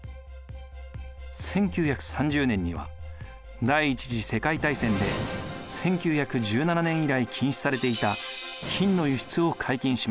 １９３０年には第一次世界大戦で１９１７年以来禁止されていた金の輸出を解禁します。